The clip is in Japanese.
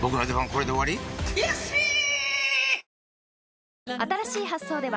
これで終わり⁉悔しい！